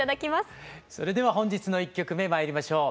それでは本日の１曲目まいりましょう。